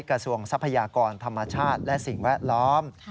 ทรัพยากรธรรมชาติและสิ่งแวดล้อม